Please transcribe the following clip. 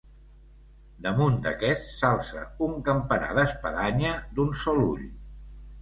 Damunt d'aquest s'alça un campanar d'espadanya d'un sol ull.